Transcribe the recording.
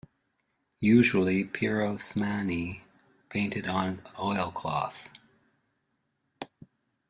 Usually, Pirosmani painted on oilcloth.